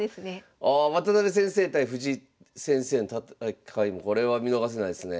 あ渡辺先生対藤井先生の戦いもこれは見逃せないですねえ。